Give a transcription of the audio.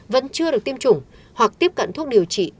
vẫn chưa được tiêm chủng hoặc tiếp cận thuốc điều trị